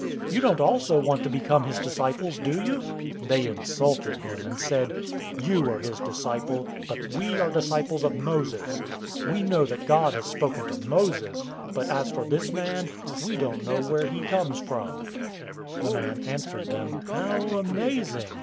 You don't also want to become his disciples, do you?" 009:028 They insulted him and said, "You are his disciple, but we are disciples of Moses. 009:029 We know that God has spoken to Moses. But as for this man, we don't know where he comes from." 009:030 The man answered them, "How amazing!